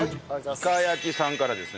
いかやきさんからですね。